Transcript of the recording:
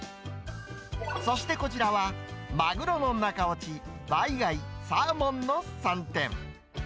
そしてこちらは、マグロの中おち、バイガイ、サーモンの３点。